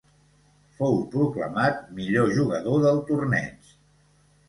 Fou proclamat millor jugador del torneig.